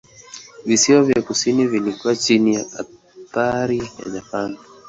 Visiwa vya kusini vilikuwa chini ya athira ya Japani.